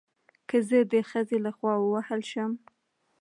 که زه د خځې له خوا ووهل شم